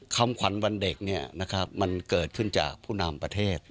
คำขวัญวันเด็กมันเกิดขึ้นจากผู้นำประเทศ